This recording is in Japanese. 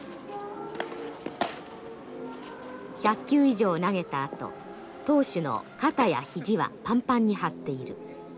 １００球以上投げたあと投手の肩や肘はパンパンに張っている。